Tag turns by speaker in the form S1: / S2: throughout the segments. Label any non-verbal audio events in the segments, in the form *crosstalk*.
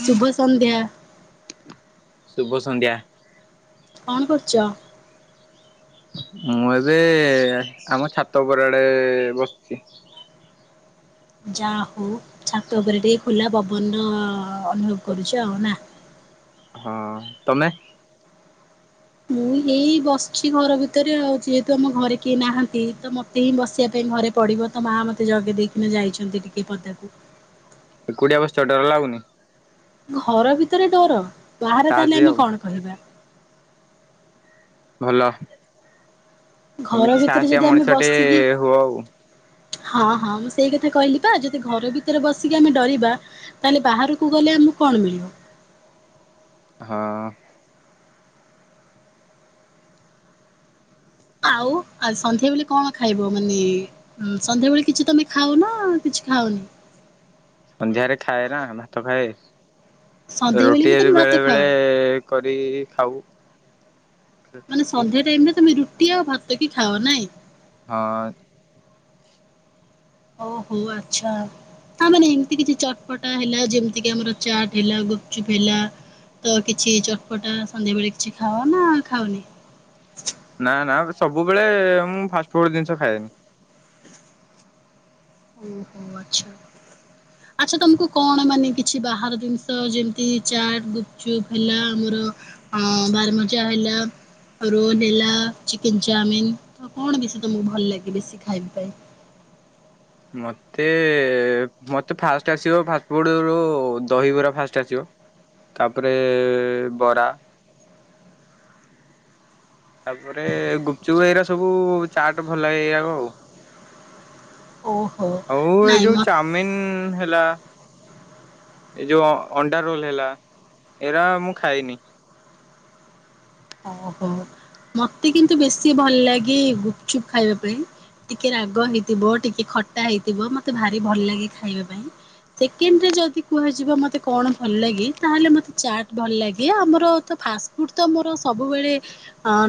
S1: ଶୁଭ ସନ୍ଧ୍ୟା।
S2: ଶୁଭ ସନ୍ଧ୍ୟା।
S1: କଣ କରୁଛ?
S2: ମୁଁ ଏବେ ଆମ ଛାତ ଉପରଆଡେ ବସିଛି।
S1: ଯାହା ହଉ ଛାତ ଉପରେ ଟିକେ ଖୋଲା ପବନ ଅନୁଭବ କରୁଛ ଆଉ ନା।
S2: ହଁ ତମେ?
S1: ମୁଁ ଏଇ ବସିଛି ଘର ଭିତରେ ଆଉ ଯେହେତୁ ଆମ ଘରେ କେହି ନାହାନ୍ତି ତ ମତେ ହିଁ ବସିବା ପାଇଁ ଘରେ ପଡିବ। ତ ମା ମତେ ଜଗେଇ ଦେଇକିନା ଯାଇଛନ୍ତି ଟିକେ ପଦାକୁ।
S2: ଏ କୁଟିଆ ବସିଚ ଡର ଲାଗୁନି।
S1: ଘର ଭିତରେ ଡର ବାହାରେ
S2: ସାହସୀ
S1: ତାହେଲେ
S2: ଆଉ
S1: ଆମେ କଣ କହିବା।
S2: ଭଲ
S1: ଘର
S2: ଏମିତି
S1: ଭିତରେ
S2: ସାହସିଆ
S1: ଯଦି ଆମେ
S2: ମଣିଷ ଟେ
S1: ବସିକି
S2: ହୁଅ ଆଉ
S1: ହଁ ହଁ ମୁଁ ସେଇ କଥା କହିଲି ବା ଯଦି ଘର ଭିତରେ ବସିକି ଆମେ ଡରିବା ତାହେଲେ ବାହାରକୁ ଗଲେ ଆମକୁ କଣ ମିଳିବ?
S2: ହଁ।
S1: ଆଉ ଆଉ ସନ୍ଧ୍ୟା ବଳେ କଣ ଖାଇବ ମାନେ? ହୁଁ ସନ୍ଧ୍ୟାବେଳେ କିଛି ତମେ ଖାଉ ନ କିଛି ଖାଉନି।
S2: ସନ୍ଧ୍ୟାରେ ଖାଏ ନା ଭାତ ଖାଏ
S1: ସନ୍ଧ୍ୟାବେଳେ
S2: ରୁଟି
S1: ବି ତମେ
S2: ଯଦି
S1: ଭାତ
S2: ବେଳେ
S1: ଖାଅ
S2: ବେଳେ କରି ଖାଉ।
S1: ମାନେ
S2: ରୁଟି
S1: ସନ୍ଧ୍ୟା ଟାଇମ ରେ ତମେ ରୁଟି ଆଉ ଭାତ କି ଖାଅ ନାଇଁ।
S2: ହଁ।
S1: ଓ ହୋ ଆଛା। ହଁ ମାନେ ଏମିତି କିଛି ଚଟପଟା ହେଲା ଯେମିତି କି ଆମର ଚାଟ୍ ହେଲା ଗୁପଚୁପ ହେଲା। ତ କିଛି ଚଟପଟା ସନ୍ଧ୍ୟାବେଳେ କିଛି ଖାଅ ନା ଖାଉନି।
S2: ନା ନା ସବୁବେଳେ ମୁଁ ଫାଷ୍ଟଫୁଡ଼ ଜିନିଷ ଖାଏନି।
S1: ଓହୋ ଆଚ୍ଛା।
S2: *inaudible*
S1: ଆଚ୍ଛା ତମକୁ କଣ ମାନେ କିଛି ବାହାର ଜିନିଷ ଯେମିତି ଚାଟ୍ ଗୁପ୍ ଚୁପ୍ ହେଲା ଆମର ହଁ ବାରମଜା ହେଲା। ଆଉ ରୋଲ୍ ହେଲା ଚିକେନ୍ ଚାଉମିିନ୍ ତ କଣ ବେଶୀ ତମକୁ ଭଲ ଲାଗେ ବେଶୀ ଖାଇବା ପାଇଁ?
S2: ମତ୍ ତେ ମୋତେ ଫାଷ୍ଟ ଆସିବ ଫାଷ୍ଟଫୁଡ଼ରୁ ଦହିବରା ଫାଷ୍ଟ ଆସିବ। ତାପରେ ବରା ତାପରେ ଗୁପ୍ ଚୁପ୍ ଏଇରା ସବୁ ଚାଟ୍ ଭଲ ଲାଗେ ଏଇଆ ଆଉ।
S1: ଓହୋ।
S2: ହଉ ଏ
S1: ନାଇଁ
S2: ଯୋଉ
S1: ମତେ
S2: ଚାଉମିିନ୍ ହେଲା ଏଇ ଯୋଉ ଅଣ୍ଡା ରୋଲ ହେଲା ଏରା ମୁଁ ଖାଇନି।
S1: ଓହୋ ମତେ କିନ୍ତୁ ବେଶୀ ଭଲ ଲାଗେ ଗୁପ୍ ଚୁପ୍ ଖାଇବା ପାଇଁ। ଟିକେ ରାଗ ହେଇଥିବ ଟିକେ ଖଟା ହେଇଥିବ ମତେ ଭାରି ଭଲ ଲାଗେ ଖାଇବା ପାଇଁ। ସେକେଣ୍ଡରେ ଯଦି କୁହାଯିବ ମୋତେ କଣ ଭଲ ଲାଗେ ତାହେଲେ ମୋତେ ଚାଟ୍ ଭଲ ଲାଗେ ଆମର ତ ଫାଷ୍ ଉଟ ତ ମୋରଶ୍ ସବୁବେଳେ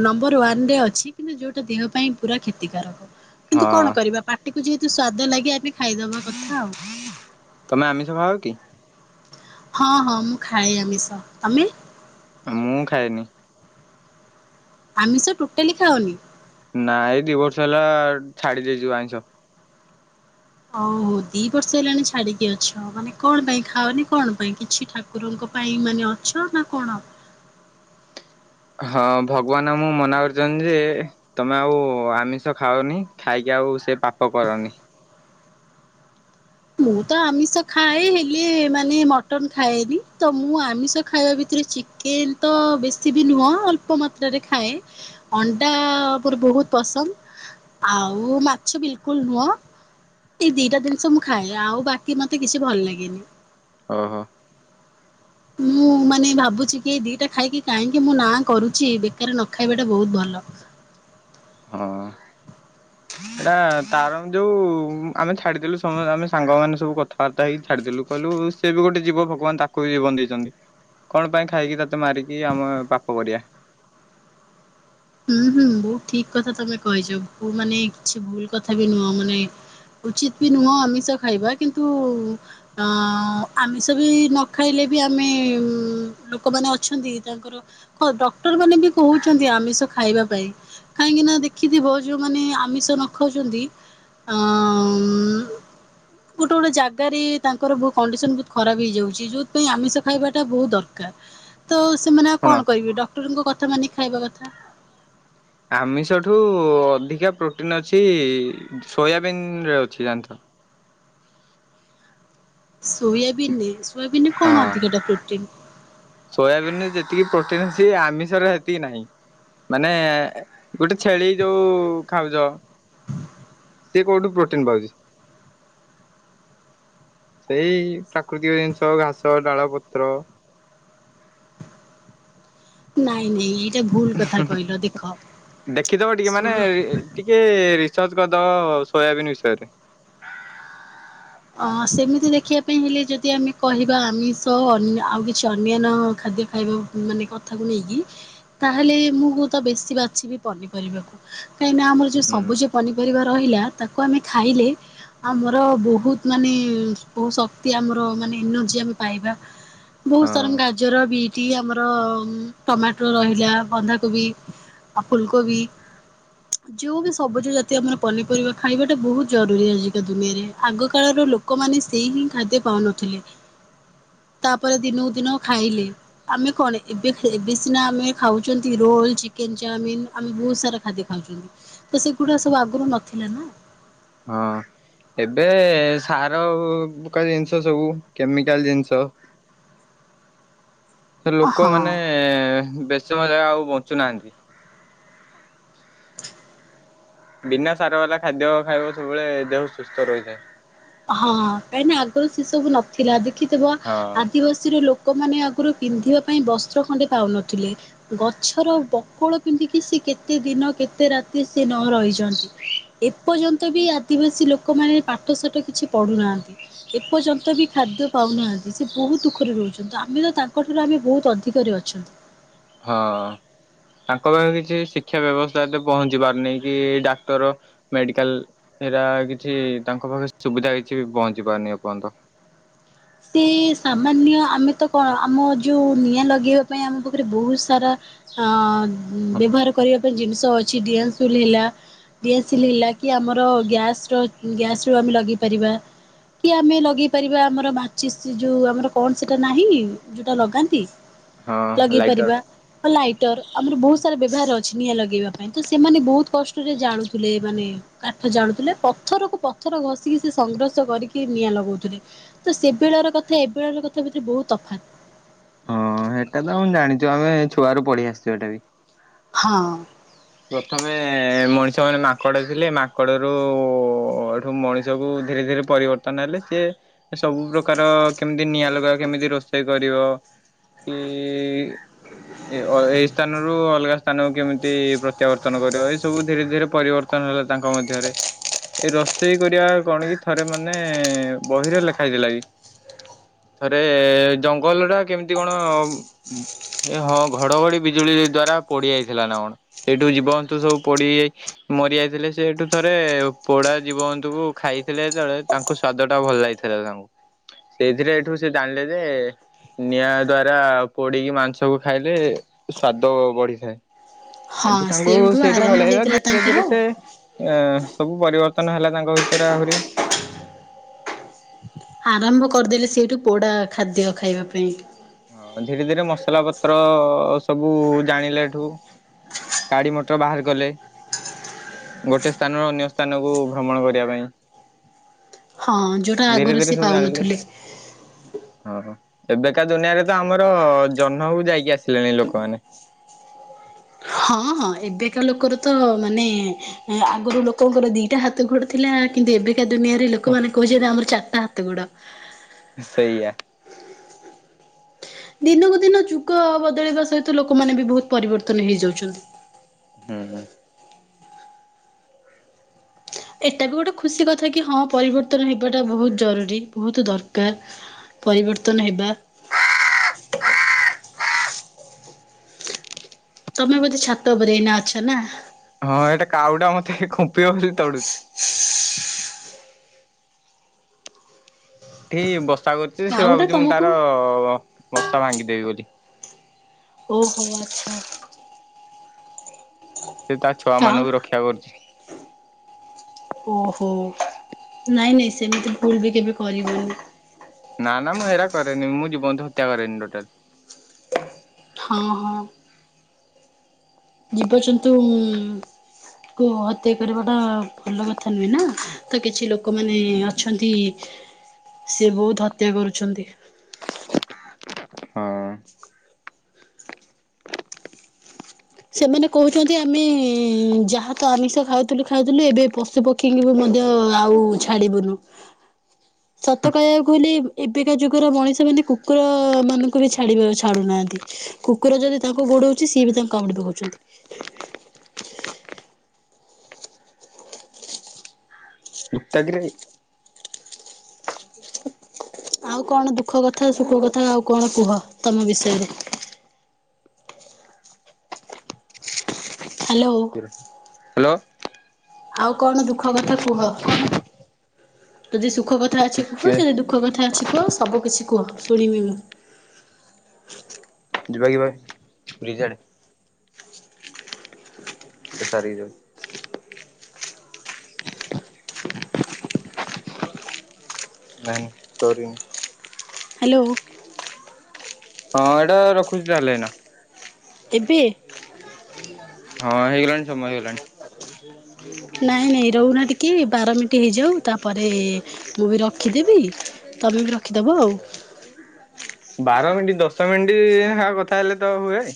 S1: ନମ୍ବର ୱାନ୍ ରେ ଅଛି କିନ୍ତୁ ଯୋଉଟା ଦେହ ପାଇଁ ପୁରା କ୍ଷତିକାରକ।
S2: ହଁ
S1: କିନ୍ତୁ କଣ କରିବା ପାଟିକୁ ଯେହେତୁ ସ୍ଵାଦ ଲାଗେ ଆମେ ଖାଇଦବା କଥା ଆଉ।
S2: ତମେ ଆମିଷ ଖାଅ କି?
S1: ହଁ ହଁ ମୁଁ ଖାଏ ଆମିଷ ତମେ?
S2: ମୁଁ ଖାଏନି।
S1: ଆମିଷ ଟୋଟାଲି ଖାଅନି?
S2: ନା ଏଇ ଦି ବର୍ଷ ହେଲା ଛାଡ଼ି ଦେଇଛୁ ଆଇଁଷ।
S1: ଓ ହୋ ଦି ବର୍ଷ ହେଲାଣି ଛାଡ଼ିକି ଅଛ ମାନେ କଣ ପାଇଁ ଖାଅନି କଣ ପାଇଁ କିଛି ଠା କୁରଙ୍କ ପାଇଁ ମାନେ ଅଛ ନା କଣ?
S2: ହଁ ଭଗବାନ ମୁଁ ମନା କରୁଚନ୍ତି ଯେ ତମେ ଆଉ ଆମିଷ ଖାଅନି ଖାଇକି ଆଉ ସେ ପାପ କରନି।
S1: ମୁଁ ତ ଆମିଷ ଖାଏ ହେଲେ ମାନେ ମଟନ୍ ଖାଏନି ତ ମୁଁ ଆମିଷ ଖାଇବା ଭିତରେ ଚି କେନ୍ ତ ବେଶୀ ବି ନୁହଁ ଅଳ୍ପ ମାତ୍ରାରେ ଖାଏ। ଅଣ୍ଡା ପୋର ବହୁତ ପସନ୍ଦ ଆଉ ମାଛ ବିଲ୍ କୁଲ୍ ନୁହଁ। ଏଇ ଦିଟା ଜିନିଷ ମୁଁ ଖାଏ ଆଉ ବାକି ମତେ କିଛି ଭଲ ଲାଗେନି।
S2: ଓହୋ।
S1: ମୁଁ ମାନେ ଭାବୁଛି କି ଏ ଦିଟା ଖାଇକି କାହିଁକି ମୁଁ ନାଁ କରୁଛି ବେକାର ନ ଖାଇବା ଟା ବହୁତ ଭଲ।
S2: ହଁ। ଏଇଟା ତାର ଯୋଉ ଆମେ ଛାଡ଼ିଦେଲୁ ସମ ଆମେ ସାଙ୍ଗମାନେ ସବୁ କଥାବାର୍ତ୍ତା ହେଇକି ଛାଡ଼ିଦେଲୁ କହିଲୁ ସେ ବି ଗୋଟେ ଜୀବ ଭଗବାନ ତାକୁ ବି ଜୀବନ ଦେଇଛନ୍ତି କଣ ପାଇଁ ଖାଇକି ତତେ ମାରିକି ଆମେ ପାପ କରିଆ।
S1: ହୁଁ ହୁଁ ବହୁତ ଠିକ୍ କଥା ତମେ କହିଛ ବୋ ମାନେ କିଛି ଭୁଲ କଥା ବି ନୁହଁ ମାନେ ଉଚିତ ବି ନୁହଁ ଆମିଷ ଖାଇବା କିନ୍ତୁ ଆମିଷ ବି ନ ଖାଇଲେ ବି ଆମେ ଲୋକମାନେ ଅଛନ୍ତି ତାଙ୍କର ଖ ଡକ୍ଟର ମାନେ ବି କହୁଛନ୍ତି ଆମିଶ ଖାଇବା ପାଇଁ କାହିଁକି ନା ଦେଖିଥିବ ଯୋଉମାନେ ଆମିଷ ନ ଖାଉଛନ୍ତି *unintelligible* ଗୋଟେ ଗୋଟେ ଜାଗାରେ ତାଙ୍କର ବୋ କଣ୍ଡିସନ ବହୁତ ଖରାପ ହେଇଯାଉଛି ଯଉଥିପାଇଁ ଆମିଷ ଖାଇବାଟା ବହୁତ ଦରକାର। ତ ସେମାନେ ଆଉ
S2: ଶୁଣ
S1: କଣ କରିବେ ଡକ୍ଟରଙ୍କ କଥା ମାନିକି ଖାଇବା କଥା।
S2: ଆମିଷଠୁ ଅଧିକା ପ୍ରୋଟିନ୍ ଅଛି ସୋୟାବିିନରେ ଅଛି ଜାଣିଥ
S1: ସୋୟାବିିନ ସୋୟାବିନ ରେ କଣ ଅଧିକାଟା ପ୍ରୋଟିନ୍?
S2: ସୋୟାବିିନ ରେ ଯେତିକି ପ୍ରୋଟିନ୍ ଅଛି ଆମିଷରେ ହେତିକି ନାହିଁ। ମାନେ ଗୋଟେ ଛେଳି ଯୋଉ ଖାଉଜ। ସିଏ କଉଠୁ ପ୍ରୋଟିନ୍ ପାଉଜି? ସେଇ ପ୍ରାକୃତିକ ଜିନିଷ ଘାସ, ଡାଳ, ପତ୍ର।
S1: ନାଇଁ ନାଇଁ ଏଇଟା ଭୁଲ କଥା କହିଲ ଦେଖ
S2: ଦେଖିଦବ ଟିକେ
S1: ଶୁ
S2: ମାନେ ଟିକେ ରିସର୍ଚ କରିଦବ ସୋୟାବିନ୍ ବିଷୟରେ।
S1: ଅ ସେମିତି ଦେଖିବା ପାଇଁ ହେଲେ ଯଦି ଆମେ କହିବା ଆମିଷ ଅନ ଆଉ କିଛି ଅନ୍ୟାନ୍ୟ ଖାଦ୍ୟ ଖାଇବା। ମାନେ କଥାକୁ ନେଇକି ତାହେଲେ ମୁଁ ହୁଅ ତ ବେଶୀ ବାଛିବି ପନିପରିବାକୁ। କାହିଁକିନା ଆମର ଯୋଉ
S2: ହୁଁ
S1: ସବୁଜ ପନିପରିବା ରହିଲା ତାକୁ ଆମେ ଖାଇଲେ ଆମର ବହୁତ ମାନେ ବହୁ ଶକ୍ତି ଆମର ମାନେ ଏନର୍ଜି ଆମେ ପାଇବା ବହୁତ
S2: ହଁ।
S1: ସାରାଙ୍କ ଆ ଗାଜର ବିଟି ଆମର ଉଁ ଟମାଟୋ ରହିଲା ବନ୍ଧାକୋବି। ଆଉ ଫୁଲକୋବି। ଯୋଉ ବି ସବୁଜ ଜତିୟ ଆମର ପନିପରିବା ଖାଇବାଟା ବହୁତ ଜରୁରୀ ଆଜିକା ଦୁନିଆରେ ଆଗ କାଳର ଲୋକମାନେ ସେଇ ହିଁ ଖାଦ୍ୟ ପାଉନଥିଲେ। ତାପରେ ଦିନକୁ ଦିନ ଖାଇଲେ। ଆମେ କଣ ଏବେ ଏବେ ସିନା ଆମେ ଖାଉଚନ୍ତି ରୋଲ ଚିକେ ଚାଉମିନ ଆମେ ବହୁତ ସାରା। ଖାଦ୍ୟ ଖାଉଛନ୍ତି ତ ସେଗୁଡା ସବୁ ଆଗରୁ ନଥିଲା ନା।
S2: ହଁ। ଏବେ ସାର ପ୍ରକାର ଜିନିଷ ସବୁ କେମିକାଲ ଜିନିଷ। ସେ
S1: ହଁ
S2: ଲୋକମାନେ ବେଶୀ ସମୟ ଜାଏଁ ଆଉ ବଞ୍ଚୁନାହାନ୍ତି। ବିନା ସାର ବାଲା ଖାଦ୍ୟ ଖାଇବ ସବୁବେଳେ ଦେହ ସୁସ୍ଥ ରହିଥାଏ।
S1: ହଁ କାହିଁନା ଆଗୁରୁ ସେ ସବୁ ନଥିଲା ଦେଖିଥିବ
S2: ହଁ
S1: ଆଦିବାସୀର ଲୋ ଲୋକମାନେ ଆଗୁରୁ ପିନ୍ଧିବା ପାଇଁ ବସ୍ତ୍ର ଖଣ୍ଡେ ପାଉନଥିଲେ ଗଛର ବକଳ ପିନ୍ଧିକି କେତେ ସେ ଦିନ କେତେ ରାତି ସେ ନ ରହିଛନ୍ତି। ଏପର୍ଯ୍ୟନ୍ତ ବି ଆଦିବାସୀ ଲୋକମାନେ ପାଠ ସାଠ କିଛି ପଢୁନାହାନ୍ତି। ଏପର୍ଯ୍ୟନ୍ତ ବି ଖାଦ୍ୟ ପାଉନାହାନ୍ତି ସେ ବହୁତ ଦୁଃଖରେ ରହୁଛନ୍ତି ଆମେ ତ ତାଙ୍କଠାରୁ ଆମେ ବହୁତ ଅଧିକରେ ଅଛନ୍ତି।
S2: ହଁ ତାଙ୍କ ପାଖରେ କିଛି ଶିକ୍ଷା ବ୍ୟବସ୍ଥା ଏତେ ପହଞ୍ଚି ପାରୁନି କି ଡାକ୍ତର। ମେଡିକାଲ ଏରା କିଛି ତାଙ୍କ ପାଖରେ ସୁବିଧା କିଛି ବି ପହଞ୍ଚି ପାରୁନି ଏପର୍ଯ୍ୟନ୍ତ।
S1: ସି ସାମାନ୍ୟ ଆମେ ତ କଣ ଆମ ଯୋଉ ନିଆଁ ଲଗେଇବା ପାଇଁ ଆମ ପାଖରେ ବହୁତ ସାରା। ହଁ ବ୍ୟବହାର କରିବା ପାଇଁ ଜିନିଷ ଅଛି ଡିଆସୁଲ ହେଲା। ଡିଆସିଲ ହେଲା କି ଆମର ଗ୍ୟାସ୍ ର ଗ୍ୟାସ୍ ରୁ ଆମେ ଲଗେଇପାରିବା। କି ଆମେ ଲଗେଇ ପାରିବା ଆମର ବା ଯୋଉ ଆମର କଣ ସେଟା ନାହିଁ ଯୋଉଟା ଲଗାନ୍ତି
S2: ହଁ
S1: ଲଗେଇ
S2: ଲାଇଟର
S1: ପାରିବା। ହ ଲାଇଟର ଆମର ବହୁତ ସାରା ବ୍ୟବହାର ଅଛି ନିଆଁ ଲଗେଇବା ପାଇଁ ତ ସେମାନେ ବହୁତ କଷ୍ଟରେ ଜାଳୁଥିଲେ ମାନେ। କାଠ ଜାଳୁଥିଲେ ପଥରକୁ ପଥର ଘଷିକି ସେ ସଂଘର୍ଷ କରିକି ନିଆଁ ଲଗଉଥିଲେ ତ ସେ ସେ ବେଳର କଥା ଏବେଳର କଥା ଭିତରେ ବହୁତ ତଫାତ୍।
S2: ହଁ ହେଟା ତ ଆମେ ଜାଣିଛୁ ଆମେ ଛୁଆରୁ ପଢି ଆସିଛୁ ଏଟା ବି।
S1: ହଁ।
S2: ପ୍ରଥମେ ମଣିଷ ମାନେ ମାଙ୍କଡ ଥିଲେ ମାଙ୍କଡ ର ଏଠୁ ମଣିଷ କ ଧୀରେ ଧୀରେ ପରିବର୍ତ୍ତନ ହେଲେ ସେ ସବୁ ପ୍ରକାର କେମିତି ନିଆଁ ଲଗା କେମିତି ରୋଷେଇ। କରିବ କି ଏଇ ସ୍ଥାନରୁ ଅଲଗା ସ୍ଥାନକୁ କେମିତି ପ୍ରତ୍ୟାବର୍ତ୍ତନ କରିବ ଏ ସବୁ ଧୀରେ ଧୀରେ ପରିବର୍ତ୍ତନ ହେଲା ତାଙ୍କ ମଧ୍ୟରେ। ଏଇ ରୋଷେଇ କରିବା କଣ କି ଥରେ ମାନେ ବହିରେ ଲେଖା ହେଇଥିଲା କି ଥରେ ଜଙ୍ଗଲ ଟା କେମିତି କଣ? ଏ ହଁ ଘଡଘଡି ବିଜୁଳି ଦ୍ଵାରା ପୋଡି ଯାଇଥିଲା ନା କଣ ସେଇଠୁ ଜୀବନ୍ତୁ ସବୁ ପୋଡିଯାଇ ମରିଯାଇଥିଲେ ସେଠୁ ଥରେ ପୋଡା ଜୀବଜନ୍ତୁ କ ଖାଇଥିଲେ ଯେତେବେଳେ ତାଙ୍କ ସ୍ଵାଦ ଟା ଭଲ ଲାଗିଥିଲା ତାଙ୍କୁ ସେଇଥିରେ ଏଇଠୁ ସେ ଜାଣିଲେ ଯେ ନିଆଁ ଦ୍ଵାରା ପୋଡିକି ମାଂସକୁ ଖାଇଲେ ସ୍ଵାଦ ବଢିଥାଏ
S1: ହଁ
S2: ଏନ୍ତୁ ତାଙ୍କୁ ସେଇଠୁ
S1: ଆରମ୍ଭ
S2: ଭଲ ହେଇିବ
S1: ହେଇଥିଲା
S2: ଧୀରେ
S1: ତାଙ୍କର
S2: ଧୀରେ ସେ ଏ ସବୁ ପରିବର୍ତ୍ତନ ହେଲା ତାଙ୍କ ଭିତରେ ଆହୁରି।
S1: ଆରମ୍ଭ କରିଦେଲେ ସେଇଠୁ ପୋଡ଼ା ଖାଦ୍ୟ ଖାଇବା ପାଇଁ।
S2: ହଁ ଧୀରେ ଧୀରେ ମସଲା ପତ୍ର ସବୁ ଜାଣିଲେଠୁ ଗାଡ଼ି ମଟର ବାହାର କଲେ। ଗୋଟେ ସ୍ଥାନରୁ ଅନ୍ୟ ସ୍ଥାନକୁ ଭ୍ରମଣ କରିବା ପାଇଁ।
S1: ହଁ ଯୋଉଟା
S2: ଧୀରେ
S1: ଆଗରୁ ସିଏ ପାଉନଥିଲେ।
S2: ଓହୋ ଏବେକା ଦୁନିଆରେ ତ ଆମର ଜହ୍ନକୁ ଯାଇକି ଆସିଲେଣି ଲୋକମାନେ
S1: ହଁ ହଁ ଏବେକା ଲୋକର ତ ମାନେ ଆଗରୁ ଲୋକଙ୍କର ଦିଟା ହାତ ଗୋଡ଼। ଥିଲା କିନ୍ତୁ ଏବେକା ଦୁନିଆରେ ଲୋକମାନେ କହୁଛନ୍ତି ଆମର ଚାରଟା ହାତ ଗୋଡ।
S2: ସେଇଆ।
S1: ଦିନକୁ ଦିନ ଯୁଗ ବଦଳିବା ସହିତ ଲୋକମାନେ ବି ବହୁତ ପରିବର୍ତ୍ତନ ହେଇଯାଉଛନ୍ତି।
S2: ହୁଁ ହୁଁ।
S1: ଏଟା ବି ଗୋଟେ ଖୁସି କଥା କି ହଁ ପରିବର୍ତ୍ତନ ହେବାଟା ବହୁତ ଜରୁରୀ ବହୁତ ଦରକାର। ପରିବର୍ତ୍ତନ ହେବା ତମେ ବୋଧେ ଛାତ ଉପରେ ଏଇନା ଅଛ ନା?
S2: ହଁ ଏଇଟା କାଉଡା ମତେ ଖୁମ୍ପିବ ବୋଲି ତଡୁଛି। ଏଠିକ ବସା କରୁଛି ସେ
S1: ଆଉ ଗୋଟେ
S2: ଭାବୁଛି ମୁଁ
S1: ତମକୁ
S2: ତାର ବସା ଭାଙ୍ଗିଦେବି ବୋଲି।
S1: ଓହୋ ଆଛା।
S2: ସେ ତା ଛୁଆ
S1: ଆଉ
S2: ମାନଙ୍କୁ ରକ୍ଷା କରୁଛି।
S1: ଓହୋ ନାଇଁ ନାଇଁ ସେମିତି ଭୁଲ ବି କେବେ କରିବୁନି?
S2: ନା ନା ମୁଁ ହେରା କରେନି ମୁଁ ଜୀବଜନ୍ତୁ ହତ୍ୟା କରେନି ଟୋଟାଲ।
S1: ହଁ ହଁ। ଯିବ ଜନ୍ତୁ। କୁ ହତ୍ୟା କରିବାଟା ଭଲ କଥା ନୁହେଁ ନା ତ କିଛି ଲୋକମାନେ ଅ ଅଛନ୍ତି ସେ ବହୁତ ହତ୍ୟା କରୁଛନ୍ତି।
S2: ହଁ।
S1: *inaudible* ସେମାନେ କହୁଛନ୍ତି ଆମେ ଯାହା ତ ଆମିଷ ଖାଉଥିଲୁ ଖାଉଥିଲୁ ଏବେ ପଶୁପ ଆଖିକି ବି ମଧ୍ୟ ଆଉ ଛାଡ଼ିବୁନୁ।
S2: *inaudible*
S1: ସତ କହବାକୁ ହେଲେ ଏବେକା ଯୁଗର ମଣିଷମାନେ କୁକୁରମାନଙ୍କୁ ବି ଛାଡ଼ ଛାଡ଼ୁନାହାନ୍ତି। କୁକୁର ଯଦି ତାଙ୍କୁ ଗୋଡଉଛି ସିଏ ବି ତାଙ୍କୁ କାମୁଡ଼ିଦଉଛନ୍ତି।
S2: ମୁତଗରେ *unintelligible* ହ *unintelligible*
S1: ଆଉ କଣ ଦୁଃଖ କଥା ସୁଖ କଥା ଆଉ କଣ କୁହ ତମ ବିଷୟରେ? ହ୍ୟାଲୋ।
S2: ହ୍ୟାଲୋ।
S1: ଆଉ କଣ ଦୁଃଖ କଥା କୁହ ଯଦି ସୁଖ କଥା ଅଛି କୁହ
S2: ଟିକେ
S1: ଯଦି ଦୁ ଖ କଥା ଅଛି କୁହ ସବୁ କିଛି କୁହ ଶୁଣିବି ମୁ।
S2: ଯିବା ଯିବା ରିଜଟ *inaudible* ତ ସାରଯଉ *inaudible* ନାଇଁ ସରି।
S1: ହ୍ୟାଲୋ।
S2: ହଁ ଏଇଟା ରଖୁଛି ତାହେଲେ ଏନା।
S1: ଜିବି?
S2: ହଁ ହେଇ ଗଲାଣି ସମୟ ହେଇ ଗଲାଣି।
S1: ନାଇଁ ନାଇଁ ରହୁନା ଟିକେ ବାର ମିଟି ହେଇଯାଉ ତାପରେ ମୁଁ ବି ରଖିଦେବି ତମେ ବି ରଖିଦବ ଆଉ।
S2: ବାର ମିଟି ଦଶ ମିନିଟ୍ କଥା ହେଲେ ତ ହୁଏ।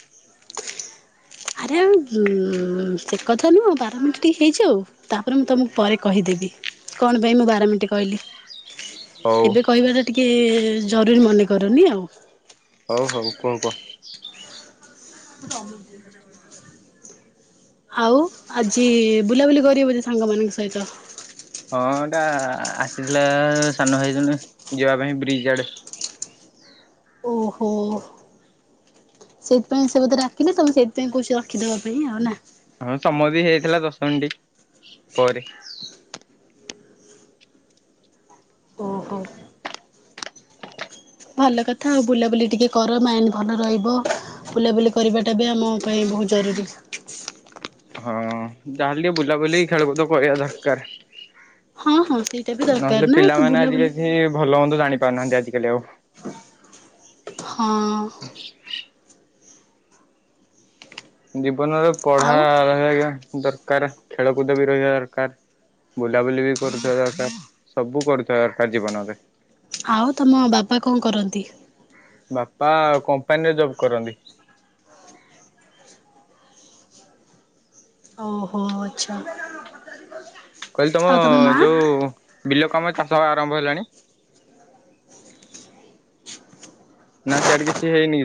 S1: ଆରେ ଆଉ ଉ ସେ କଥା ନୁହଁ ବାର ମିନିଟ୍ ହେଇଯାଉ ତାପରେ ମୁଁ ତମକୁ ପରେ କହିଦେବି। କଣ ପାଇଁ ମୁଁ ବାର ମିନିଟ୍ କହିଲି
S2: ହଉ
S1: ଏବେ କହିବାଟା ଟିକେ ଜରୁରୀ ମନେ କରୁନି ଆଉ।
S2: ହଉ ହଉ କୁହ କୁହ
S1: ପଟ *inaudible* ଆଉ ଆଜି ବୁଲାବୁଲି କରିବ ବୋଧେ ସାଙ୍ଗ ମାନଙ୍କ ସହିତ?
S2: ହଁ ଏଟା ଆସିଥିଲା ସାନ ଭାଇ ଜଣେ ଯିବା ପାଇଁ ବ୍ରିଜ୍ ଆଡେ।
S1: ଓହୋ। ସେଇଥିପାଇଁ ସେ ବୋଧେ ଡାକିଲେ ତମେ ସେଥିପାଇଁ କହୁଛି ରଖିଦବା ପାଇଁ ଆଉ ନା।
S2: ହଁ ସମୟ ବି ହେଇଯାଇଥିଲା ଦଶ ମିନିଟ୍ ପରେ।
S1: ଓହୋ। ଭଲ କଥା ଆଉ ବୁଲାବୁଲି ଟିକେ କର ମାଇଣ୍ଡ ଭଲ ରହିବ। ବୁଲାବୁଲି କରିବାଟା ବି ଆମ ପାଇଁ ବହୁତ୍ ଜରୁରୀ‌।
S2: ହଁ ଯାହା ହେଲେ ଟିକେ ବୁଲାବୁଲି ଖେଳକୁଦ କରିବା ଦରକାର।
S1: ହଁ ହଁ ସେଇଟା ବି ଦରକାର
S2: ନହେଲେ
S1: ନା ତ
S2: ପିଲାମାନେ
S1: ବୁଲାବୁଲି
S2: ଆଜିିକାଛି ଭଲ ମନ୍ଦ ଜାଣିପାରୁ ନାହାନ୍ତି ଆଜିକାଲି ଆଉ। *unintelligible*
S1: ହଁ।
S2: ଜୀବନରେ ପଢା
S1: ଆଉ
S2: ରହିବା ଘ ଦରକାର ଖେଳକୁଦ ବି ରହିବା ଦରକାର। ବୁଲାବୁଲି ବି କରୁଥିବା ଦରକାର ସବୁ କରୁଥିବା ଦରକାର ଜୀବନରେ।
S1: ଆଉ ତମ ବାପା କଣ କରନ୍ତି?
S2: ବାପା କମ୍ପାନୀରେ ଜବ୍ କରନ୍ତି।
S1: ଓହୋ ଆଛା।
S2: କହିଲି ତମ ଯୋଉ ବିଲ କାମ ଚାଷବା ଆରମ୍ଭ ହେଲାଣି ନା ସେଇଆଡେ କିଛି ହେଇନି କିଛି।